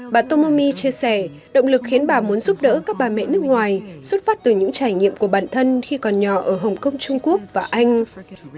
bà tomomi chia sẻ động lực khiến bà muốn giúp đỡ các bà mẹ nước ngoài xuất phát từ những trải nghiệm của bản thân khi còn nhỏ ở hồng kông trung quốc và anh